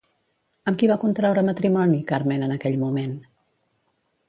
Amb qui va contraure matrimoni Carmen en aquell moment?